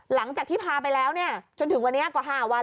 หลังจากที่พาไปแล้วเนี่ยจนถึงวันนี้กว่า๕วัน